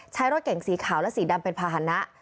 รถเก่งสีขาวและสีดำเป็นภาษณะ